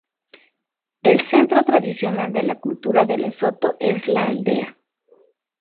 El centro tradicional de la cultura de Lesoto es la aldea.